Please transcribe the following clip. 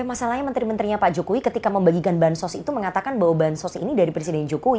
masalahnya menteri menterinya pak jokowi ketika membagikan bansos itu mengatakan bahwa bansos ini dari presiden jokowi